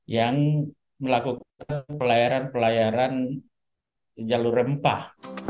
yang melakukan pelayaran pelayaran jalur rempah